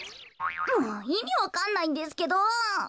もういみわかんないんですけど。